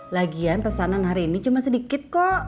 lagian pesanan hari ini cuma sedikit kok